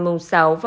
vào ngày sáu